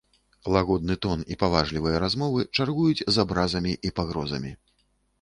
Лагодны тон і паважлівыя размовы чаргуюць з абразамі і пагрозамі.